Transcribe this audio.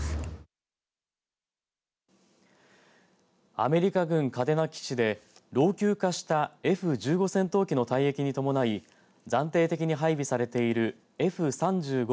アメリカ軍嘉手納基地で老朽化したＦ１５戦闘機の退役に伴い暫定的に配備されているＦ３５